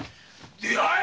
出会え！